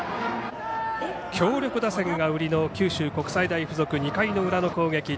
強力打線が売りの九州国際大付属２回裏の攻撃。